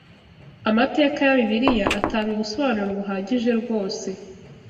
amateka ya Bibiliya atanga ubusobanuro buhagije rwose.